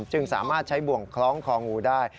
จึงสามารถใช้บ่วงคล้องคองูได้